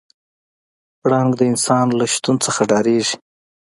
پړانګ د انسان له شتون څخه ډارېږي.